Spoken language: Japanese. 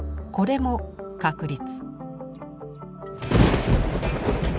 これも確率。